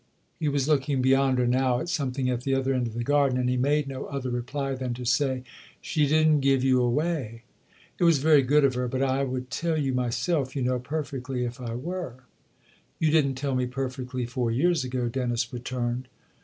He was looking beyond her now at something at the other end of the garden ; and he made no other reply than to say :" She didn't give you away." "It was very good of her; but I would tell you myself, you know, perfectly, if I were." "You didn't tell me perfectly four years ago," Dennis returned.